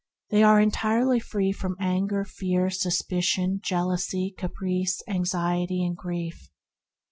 They are entirely free from anger, fear, suspicion, jealousy, caprice, anxiety, and grief.